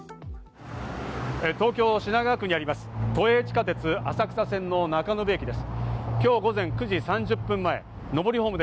東京・品川区にあります都営地下鉄・浅草線の中延駅です。